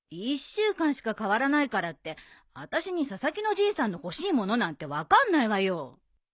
１週間しか変わらないからってあたしに佐々木のじいさんの欲しいものなんて分かんないわよ。